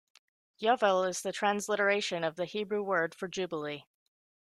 Yovel is the transliteration of the Hebrew word for Jubilee.